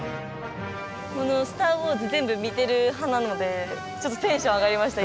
「スター・ウォーズ」全部見てる派なのでちょっとテンション上がりました